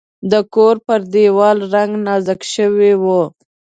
د کور پر دیوال رنګ نازک شوی و.